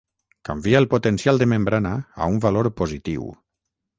Canvia el potencial de membrana a un valor positiu.